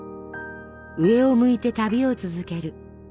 上を向いて旅を続ける。